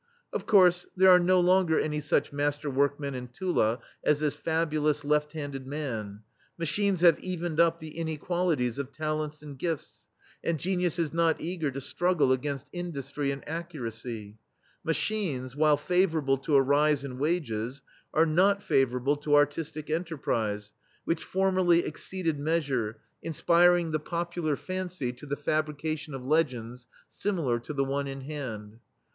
Of course, there are no longer any such master workmen in Tula as this fabu lous, left handed man; machines have evened up the inequalities of talents and gifts, and genius is not eager to struggle against industry and accuracy. Machines, while favorable to a rise in wages, are not favorable to artistic en terprise, which formerly exceeded mea sure, inspiring the popular fancy to the THE STEEL FLEA fabrication of legends similar to the one in hand.